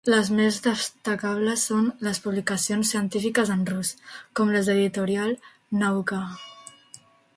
Les més destacables són les publicacions científiques en rus, com les de l'editorial Nauka.